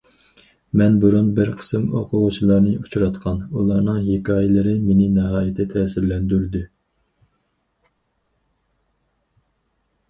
مەن بۇرۇن بىر قىسىم ئوقۇغۇچىلارنى ئۇچراتقان، ئۇلارنىڭ ھېكايىلىرى مېنى ناھايىتى تەسىرلەندۈردى.